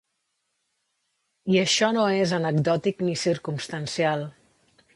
I això no és ni anecdòtic ni circumstancial.